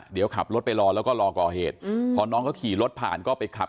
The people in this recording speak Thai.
เดี๋ยวขับรถไปรอแล้วก็รอก่อเหตุพอน้องเขาขี่รถผ่านก็ไปขับ